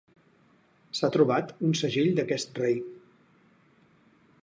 S'ha trobat un segell d'aquest rei.